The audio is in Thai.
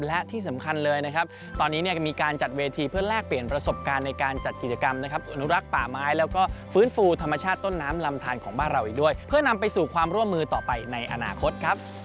และที่สำคัญเลยนะครับตอนนี้เนี่ยก็มีการจัดเวทีเพื่อแลกเปลี่ยนประสบการณ์ในการจัดกิจกรรมนะครับอนุรักษ์ป่าไม้แล้วก็ฟื้นฟูธรรมชาติต้นน้ำลำทานของบ้านเราอีกด้วยเพื่อนำไปสู่ความร่วมมือต่อไปในอนาคตครับ